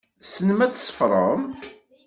Tessnem ad tṣeffrem?